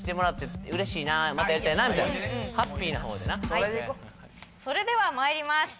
俺もそれではまいります